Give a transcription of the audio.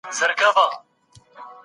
نو په مغلقو به څه وارد سي؟